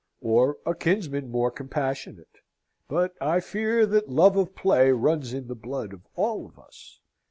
"Or a kinsman more compassionate. But I fear that love of play runs in the blood of all of us.